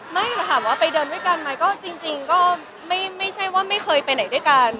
ไม่แต่ถามว่าไปเดินด้วยกันไหมก็จริงก็ไม่ใช่ว่าไม่เคยไปไหนด้วยกัน